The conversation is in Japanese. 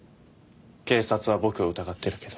警察は僕を疑ってるけど。